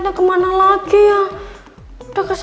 aku mau pergi dulu